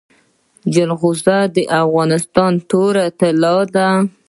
جلغوزي د افغانستان توره طلا ده